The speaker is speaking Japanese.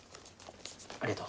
ありがとう。